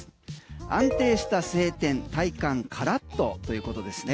安定した晴天体感カラッとということですね。